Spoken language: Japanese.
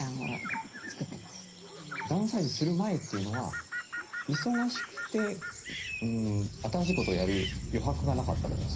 ダウンサイズする前というのは忙しくて新しいことをやる余白がなかったみたいなそういうことですか？